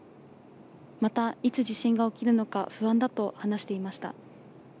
またいつ地震が起きるのか不安だと話していました。